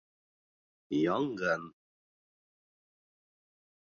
ЯНҒЫН